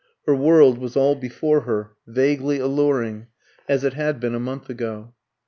Her world was all before her, vaguely alluring, as it had been a month ago.